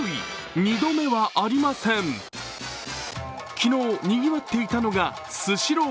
昨日にぎわっていたのがスシロー。